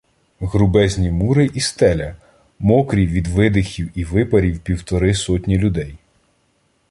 Грубезні мури і стеля — мокрі від видихів і випарів півтори сотні людей.